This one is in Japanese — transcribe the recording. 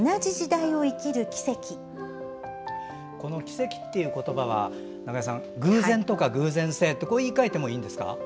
奇跡っていう言葉は中江さん、偶然とか偶然性こう言い替えてもいいんですか？